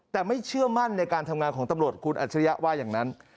แต่ไม่เชื่อมั่นในการทำงานของตำรวจคุณอัจฉริยะว่าอย่างนั้น